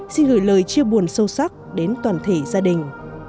xin gửi lời chia buồn sâu sắc đến toàn thể gia đình